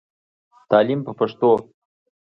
تعليم په پښتو.